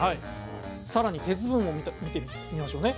更に鉄分を見てみましょうね。